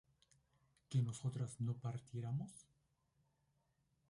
¿que nosotras no partiéramos?